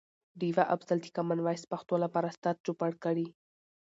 ډیوه افضل د کمان وایس پښتو لپاره ستر چوپړ کړي.